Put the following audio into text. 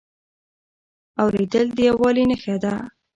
اورېدل د یووالي نښه ده.